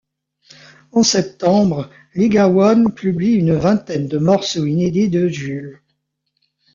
En septembre, Liga One publie une vingtaine de morceaux inédits de Jul.